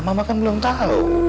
mama kan belum tahu